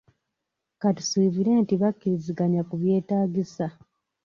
Katusuubire nti bakkiriziganya ku byetaagisa.